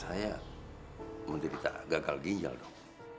saya menderita gagal ginjal dong